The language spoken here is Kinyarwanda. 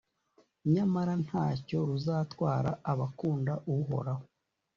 Nyamara nta cyo ruzatwara abakunda Uhoraho,